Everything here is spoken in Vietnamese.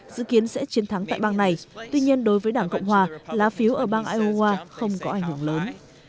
dự kiến sẽ chiến thắng tại bang này tuy nhiên đối với đảng cộng hòa lá phiếu ở bang iowa không có ảnh hưởng lớn